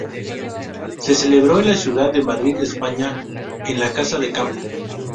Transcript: Se celebró en la ciudad de Madrid, España en la Casa de Campo.